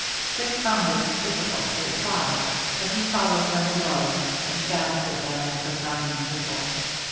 Dick found it difficult to reply, but he fol lowed them below, and sat with them at the dining table.